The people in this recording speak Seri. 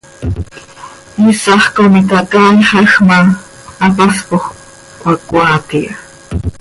Iisax com itacaaixaj ma, hapaspoj cöhacoaat iha.